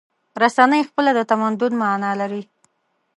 رسنۍ خپله د تمدن معنی لري.